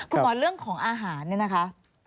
คุณหมอเรื่องของอาหารเนี่ยนะคะ